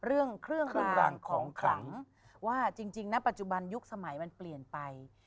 เรื่องเครื่องรางของขลังว่าจริงณปัจจุบันยุคสมัยมันเปลี่ยนไป